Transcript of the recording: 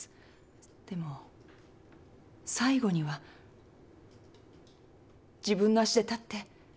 でも最後には自分の足で立って。